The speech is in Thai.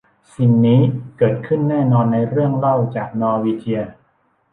สิ่งนี้เกิดขึ้นแน่นอนในเรื่องเล่าจากนอร์วีเจีย